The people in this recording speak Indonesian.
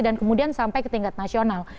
dan kemudian sampai ke tingkat nasional